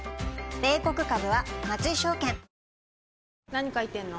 何書いてんの？